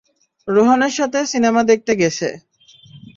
রোহানের সাথে সিনেমা দেখতে গেছে।